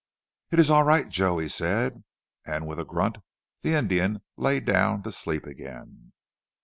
"It is all right, Joe," he said, and with a grunt the Indian lay down to sleep again.